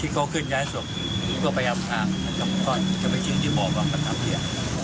ที่เค้าเขื่นย้ายศพก็พยาบวคือข้าวถึงที่บ่อของข้าวท้ำเทียม